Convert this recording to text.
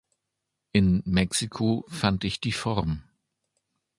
In Mexico fand ich die Form.